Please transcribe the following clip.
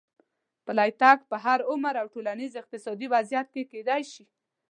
پلی تګ په هر عمر او ټولنیز اقتصادي وضعیت کې کېدای شي.